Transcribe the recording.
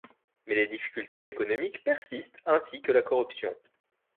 Mais les difficultés économiques persistent ainsi que la corruption.